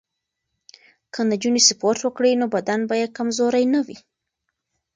که نجونې سپورت وکړي نو بدن به یې کمزوری نه وي.